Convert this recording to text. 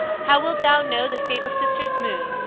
How wilt thou now the fatal sisters move?